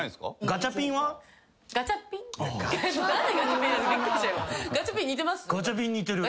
ガチャピン似てる。